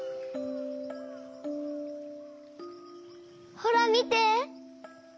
ほらみて！